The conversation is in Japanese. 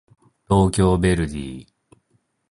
東京ヴェルディ